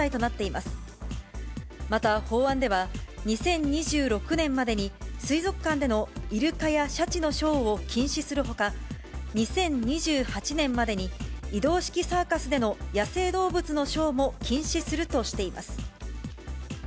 また、法案では２０２６年までに、水族館でのイルカやシャチのショーを禁止するほか、２０２８年までに移動式サーカスでの野生動物のショーも禁止するとしています。